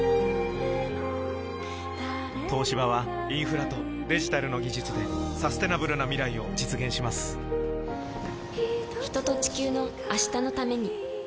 東芝はインフラとデジタルの技術でサステナブルな未来を実現します人と、地球の、明日のために。